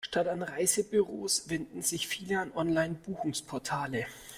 Statt an Reisebüros wenden sich viele an Online-Buchungsportale.